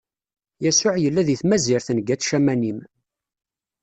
Yasuɛ yella di tmazirt n Gat-Camanim.